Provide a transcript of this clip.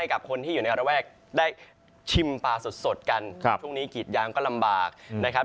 กับคนที่อยู่ในระแวกได้ชิมปลาสดกันช่วงนี้กีดยางก็ลำบากนะครับ